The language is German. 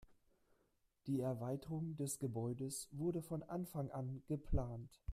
Die Erweiterung des Gebäudes wurde von Anfang an geplant.